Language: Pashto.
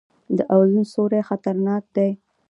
د اوزون سورۍ خطرناک دی